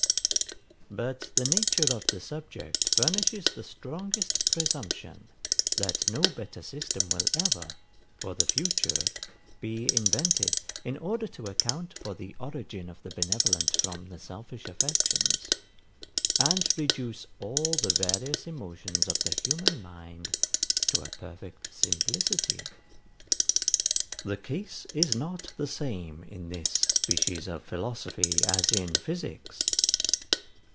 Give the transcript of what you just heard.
But the nature of the subject furnishes the strongest presumption, that no better system will ever, for the future, be invented, in order to account for the origin of the benevolent from the selfish affections, and reduce all the various emotions of the human mind to a perfect simplicity. The case is not the same in this species of philosophy as in physics.